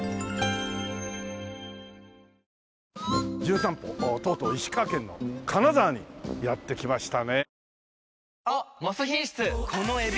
『じゅん散歩』とうとう石川県の金沢にやって来ましたね。